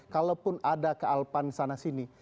kalaupun ada kealpan sana sini